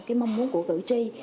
cái mong muốn của cự tri